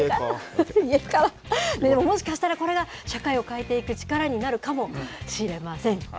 でももしかしたらこれが社会を変えていく力になるかもしれません。